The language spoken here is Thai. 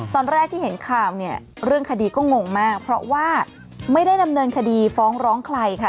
ตอนแรกที่เห็นข่าวเนี่ยเรื่องคดีก็งงมากเพราะว่าไม่ได้ดำเนินคดีฟ้องร้องใครค่ะ